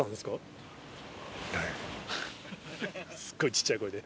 すっごい小っちゃい声で。